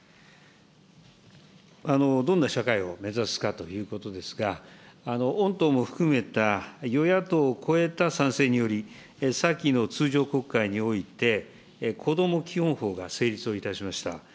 どんな社会を目指すかということですが、御党も含めた、与野党を超えた賛成により、先の通常国会においてこども基本法が成立をいたしました。